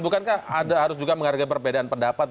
bukankah harus menghargai perbedaan pendapat